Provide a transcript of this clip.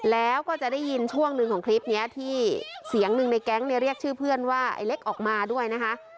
แล้วก็จะได้ยินช่วงหนึ่งของคลิปนี้ที่เสียงหนึ่งในแก๊งเนี่ยเรียกชื่อเพื่อนว่าไอ้เล็กออกมาด้วยนะคะ